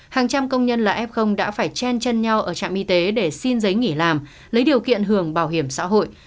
hàng trăm công nhân là f đã phải chen chân nhau ở trạm y tế để xin giấy nghỉ làm lấy điều kiện hưởng bảo hiểm xã hội